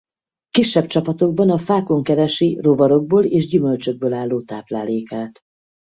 Kisebb csapatokban a fákon keresi rovarokból és gyümölcsökből álló táplálékát.